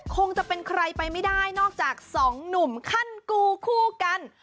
คงจะเป็นใครไปไม่ได้นอกจากสองหนุ่มขั้นกูคู่กัน